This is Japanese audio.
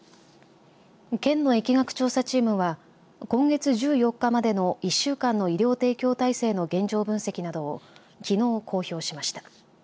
県の疫学調査チームは今月１４日までの１週間の医療提供体制の現状分析などをきのう公表しました。